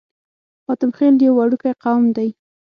حاتم خيل يو وړوکی قوم دی.